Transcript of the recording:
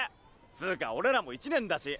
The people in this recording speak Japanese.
つか俺らも１年だし。